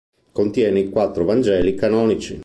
Contiene i quattro vangeli canonici.